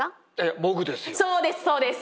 そうですそうです。